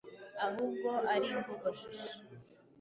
ahubwo ari imvugo shusho.